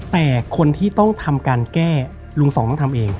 แต่คนที่ต้องทำการแก้ลุงสองต้องทำเอง